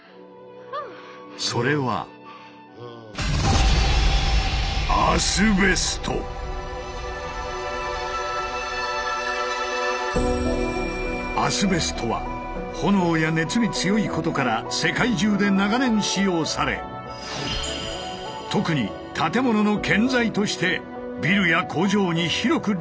それはアスベストは炎や熱に強いことから世界中で長年使用され特に建物の建材としてビルや工場に広く利用されてきた。